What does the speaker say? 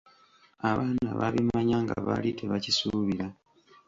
Abaana baabimanya nga baali tebakisuubira.